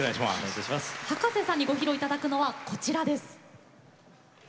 葉加瀬さんにご披露頂くのはこちらです。